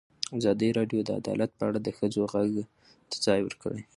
ازادي راډیو د عدالت په اړه د ښځو غږ ته ځای ورکړی.